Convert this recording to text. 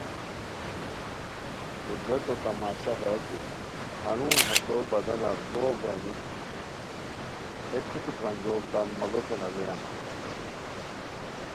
قدرتو تماشا ہیہ کی ہنون ہتو بدنار گوغ گانی ہے کھوٹو کھانجوڑ تان ماڑوتین الویان